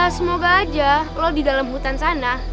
semoga aja lo di dalam hutan sana